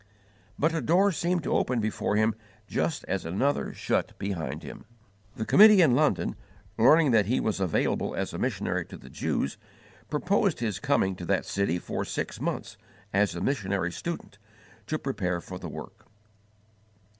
But a door seemed to open before him just as another shut behind him. The committee in London, learning that he was available as a missionary to the Jews, proposed his coming to that city for six months as a missionary student to prepare for the work.